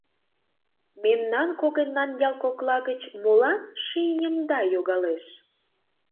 Мемнан когыньнан ял кокла гыч Молан ший Немда йогалеш?